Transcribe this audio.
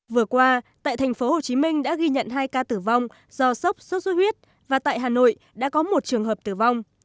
vừa qua tại thành phố hồ chí minh đã ghi nhận hai ca tử vong do sốc xuất huyết và tại hà nội đã có một trường hợp tử vong